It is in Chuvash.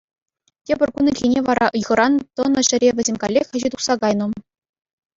Тепӗр кун ирхине вара ыйхӑран тӑнӑ ҫӗре вӗсем каллех ӗҫе тухса кайнӑ.